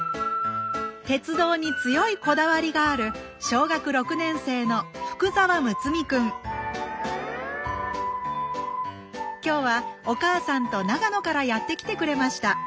鉄道に強いこだわりがある今日はお母さんと長野からやって来てくれました